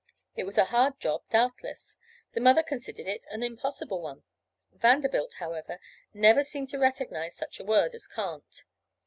It was a hard job, doubtless, the mother considered it an impossible one. Vanderbilt, however, seemed never to recognize such a word, as can't.